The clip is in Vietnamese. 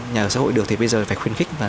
nhà ở xã hội được thì bây giờ phải khuyến khích